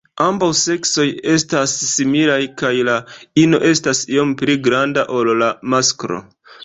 Ambaŭ seksoj estas similaj, kaj la ino estas iom pli granda ol la masklo.